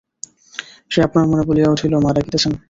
সে আপনার মনে বলিয়া উঠিল, মা ডাকিতেছেন!